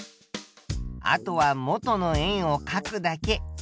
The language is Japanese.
あとは元の円をかくだけ。